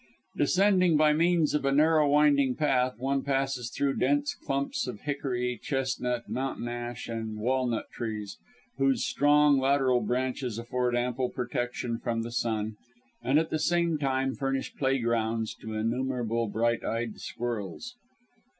Descending, by means of a narrow winding path, one passes through dense clumps of hickory, chestnut, mountain ash, and walnut trees, whose strong lateral branches afford ample protection from the sun, and at the same time furnish playgrounds to innumerable bright eyed squirrels.